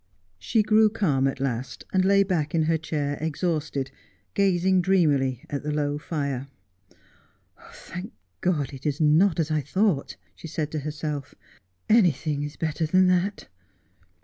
She grew calm at last, and lay back in her chair exhausted, gazing dreamily at the low fire. ' Thank God it is not as I thought !' she said to herself ;' anything is better than that.'